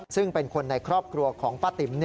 ซึ่งเป็นคนในครอบครัวของป้าติ๋ม